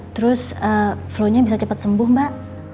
terus flu nya bisa cepet sembuh mbak